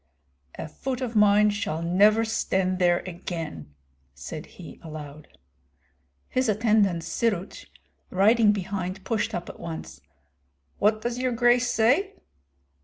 "A foot of mine shall never stand there again!" said he, aloud. His attendant Syruts riding behind pushed up at once. "What does your grace say?"